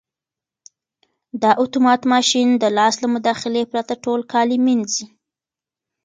دا اتومات ماشین د لاس له مداخلې پرته ټول کالي مینځي.